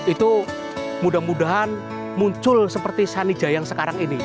itu mudah mudahan muncul seperti sanija yang sekarang ini